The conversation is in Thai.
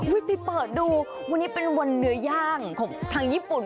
ไปเปิดดูวันนี้เป็นวันเนื้อย่างของทางญี่ปุ่น